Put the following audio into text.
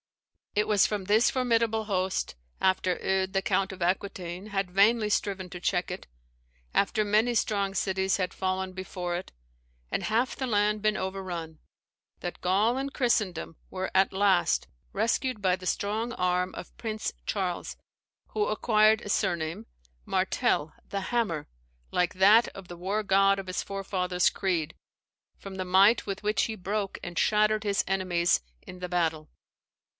It was from this formidable host, after Eudes, the Count of Acquitaine, had vainly striven to check it, after many strong cities had fallen before it, and half the land been overrun, that Gaul and Christendom were at last rescued by the strong arm of Prince Charles, who acquired a surname, [Martel 'The Hammer.' See the Scandinavian Sagas for an account of the favourite weapon of Thor.] like that of the war god of his forefathers' creed, from the might with which he broke and shattered his enemies in the battle.